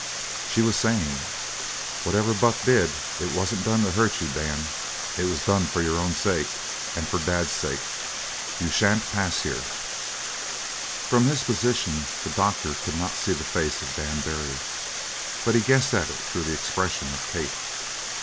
She was saying: "Whatever Buck did, it wasn't done to hurt you, Dan; it was done for your own sake. And for Dad's sake. You shan't pass here!" From his position, the doctor could not see the face of Dan Barry, but he guessed at it through the expression of Kate.